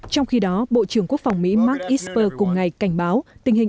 trong khi đó bộ trưởng quốc phòng mỹ mark esper cùng ngày cảnh báo tình hình